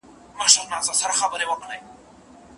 مخکنی نظر د وروستي نظر په پرتله ډېر ګټور دی.